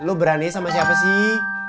lu berani sama siapa sih